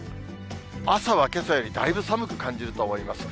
朝はけさよりだいぶ寒く感じると思います。